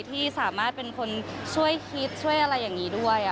ที่สามารถเป็นคนช่วยคิดช่วยอะไรอย่างนี้ด้วย